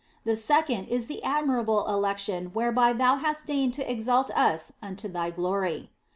The second is the admir able election whereby Thou hast deigned to exalt us unto Thy glory.